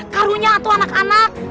karunya tuh anak anak